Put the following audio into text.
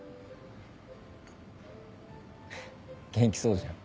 元気そうじゃん。